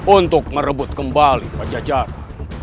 untuk merebut kembali pajajara